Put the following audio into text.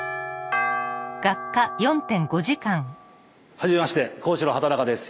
はじめまして講師の畠中です。